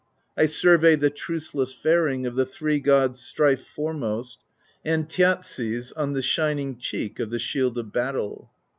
I survey the truceless faring Of the three gods strife foremost, And Thjatsi's, on the shining Cheek of the shield of battle.